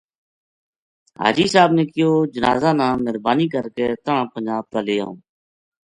حاجی صاحب نے کہیو جنازا نا مہربانی کر کے تنہاں پنجاب تا لے آؤں